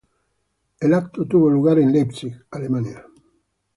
El evento tuvo lugar en Leipzig, Alemania.